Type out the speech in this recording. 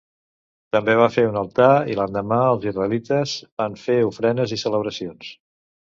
També va fer un altar i l'endemà els israelites van fer ofrenes i celebracions.